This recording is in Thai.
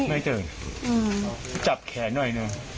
ไม่เจอจับแขนหน่อยหนึ่ง